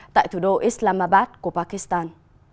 tại thủ đô islamabad của pakistan